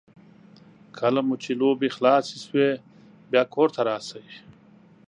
کله مو چې لوبې خلاصې شوې بیا کور ته راشئ.